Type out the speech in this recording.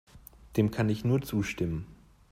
Dem kann ich nur zustimmen.